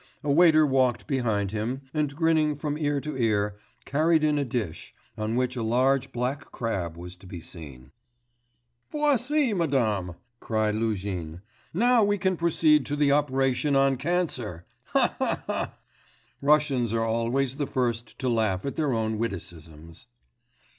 A waiter walked behind him, and grinning from ear to ear, carried in a dish, on which a large black crab was to be seen. 'Voici, madame,' cried Luzhin; 'now we can proceed to the operation on cancer. Ha, ha, ha!' (Russians are always the first to laugh at their own witticisms.)